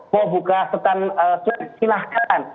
mau buka setan silakan